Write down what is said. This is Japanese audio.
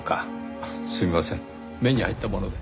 すみません目に入ったもので。